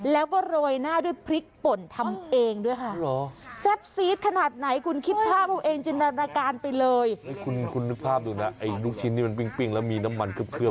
แล้วโรยพริกปร่งโอ้ยคุณค่ะ